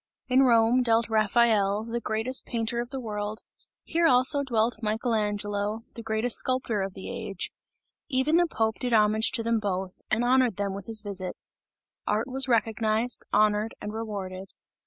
In Rome dwelt Raphael, the greatest painter of the world, here also dwelt Michael Angelo, the greatest sculptor of the age; even the Pope did homage to them both, and honoured them with his visits. Art was recognized, honoured and rewarded.